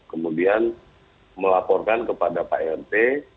kemudian melaporkan kepada pak rt